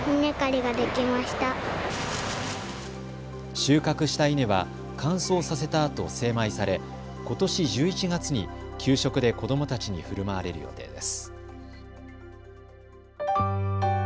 収穫した稲は乾燥させたあと精米されことし１１月に給食で子どもたちにふるまわれる予定です。